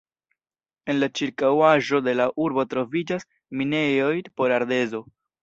En la ĉirkaŭaĵo de la urbo troviĝas minejoj por ardezo.